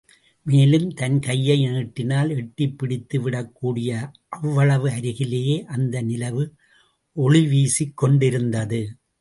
மேலும் தன் கையை நீட்டினால் எட்டிப் பிடித்து விடக்கூடிய அவ்வளவு அருகிலேயே அந்த நிலவு ஒளிவீசிக் கொண்டிருந்தது.